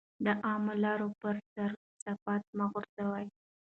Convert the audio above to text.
د عامه لارو پر سر کثافات مه غورځوئ.